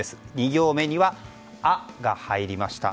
２行目は「ア」が入りました。